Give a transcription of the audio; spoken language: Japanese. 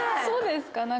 そうですか？